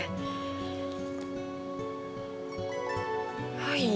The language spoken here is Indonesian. gue kan juga panik sendiri